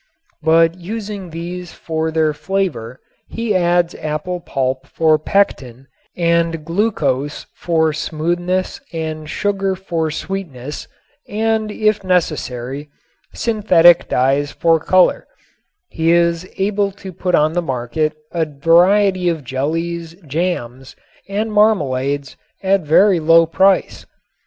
But using these for their flavor he adds apple pulp for pectin and glucose for smoothness and sugar for sweetness and, if necessary, synthetic dyes for color, he is able to put on the market a variety of jellies, jams and marmalades at very low price.